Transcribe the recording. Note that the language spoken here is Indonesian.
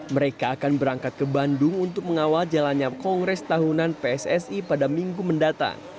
mereka akan berangkat ke bandung untuk mengawal jalannya kongres tahunan pssi pada minggu mendatang